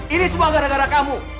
ini semua gara gara kamu